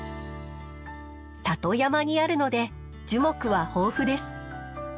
里山にあるので樹木は豊富です。